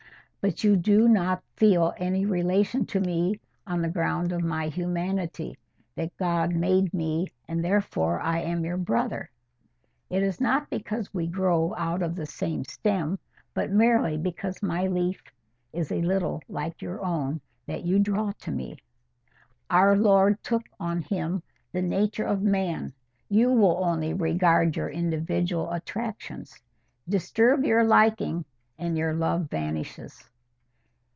But you do not feel any relation to me on the ground of my humanity—that God made me, and therefore I am your brother. It is not because we grow out of the same stem, but merely because my leaf is a little like your own that you draw to me. Our Lord took on Him the nature of man: you will only regard your individual attractions. Disturb your liking and your love vanishes."